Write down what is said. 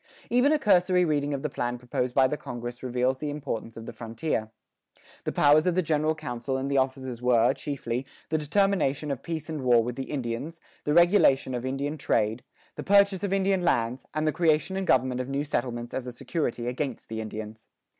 Even a cursory reading of the plan proposed by the congress reveals the importance of the frontier. The powers of the general council and the officers were, chiefly, the determination of peace and war with the Indians, the regulation of Indian trade, the purchase of Indian lands, and the creation and government of new settlements as a security against the Indians.